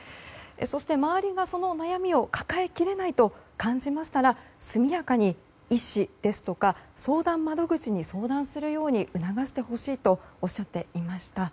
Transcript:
そして、周りがその悩みを抱えきれないと感じましたら速やかに医師ですとか相談窓口に相談するように促してほしいとおっしゃっていました。